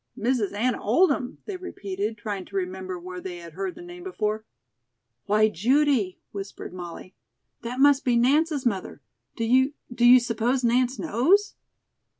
"Mrs. Anna Oldham?" they repeated, trying to remember where they had heard the name before. "Why, Judy," whispered Molly, "that must be Nance's mother. Do you do you suppose Nance knows?"